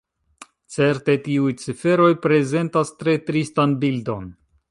Certe tiuj ciferoj prezentas tre tristan bildon.